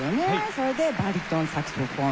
それでバリトンサクソフォン。